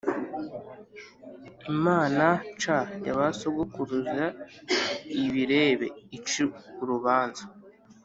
imana c ya ba sogokuruza ibirebe ice urubanza